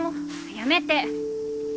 やめて。